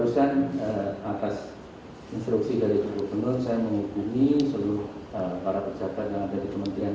oleh karena itu gubernur bersama pembimbingan berupaya semaksimal mungkin untuk menangani